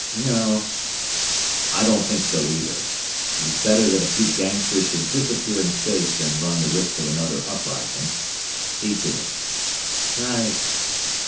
"No." "I don't think so, either. It is better that a few gangsters should disappear in space than run the risk of another uprising. See to it." "Right."